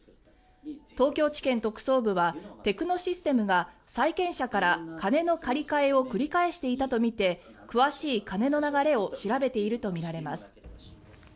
東京地検特捜部はテクノシステムが債権者から金の借り換えを繰り返していたとみて詳しい金の流れを調べているとみられます。